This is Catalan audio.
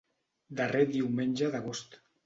Darrer diumenge d'agost.